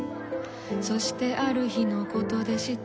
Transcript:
そしてある日のことでした。